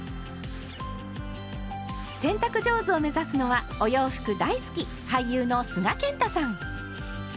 洗濯上手を目指すのはお洋服大好き俳優の須賀健太さん。